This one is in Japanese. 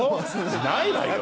ないわよ。